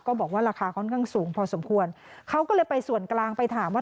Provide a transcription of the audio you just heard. บอกว่าราคาค่อนข้างสูงพอสมควรเขาก็เลยไปส่วนกลางไปถามว่า